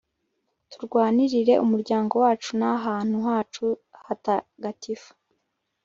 turwanirire umuryango wacu n'ahantu hacu hatagatifu